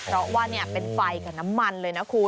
เพราะว่าเป็นไฟกับน้ำมันเลยนะคุณ